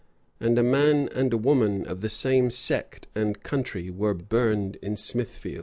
Andaman and a woman of the same sect and country were burned in Smithfield.